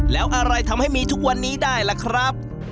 แล้วอะไรทำให้มีทุกวันนี้ได้ล่ะครับ